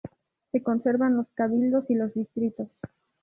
Se conservan los "cabildos" y los "distritos".